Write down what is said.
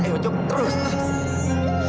ayo jemput terus